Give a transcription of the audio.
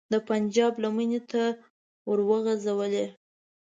د پنجاب لمنې ته وروغورځولې.